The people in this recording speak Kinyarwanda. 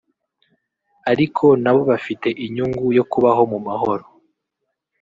ariko na bo bafite inyungu yo kubaho mu mahoro